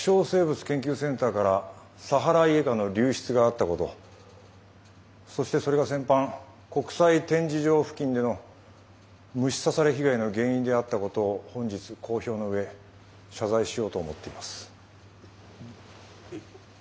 生物研究センターからサハライエカの流出があったことそしてそれが先般国際展示場付近での虫刺され被害の原因であったことを本日公表の上謝罪しようと思っています。